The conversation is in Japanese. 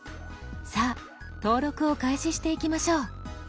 さあ登録を開始していきましょう。